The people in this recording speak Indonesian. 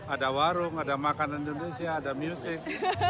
ada warung ada makanan indonesia ada musik